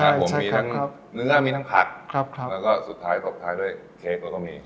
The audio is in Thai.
มีทั้งเนื้อมีทั้งผักแล้วก็สุดท้ายก็มีเค้กก็ต้องมี